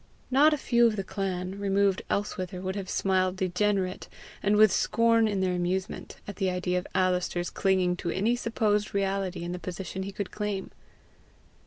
Not a few of the clan, removed elsewhither, would have smiled degenerate, and with scorn in their amusement, at the idea of Alister's clinging to any supposed reality in the position he could claim.